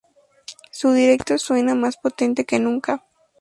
Su directo suena más potente que nunca.